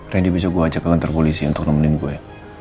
randy bisa gue ajak ke kantor polisi untuk nemenin gue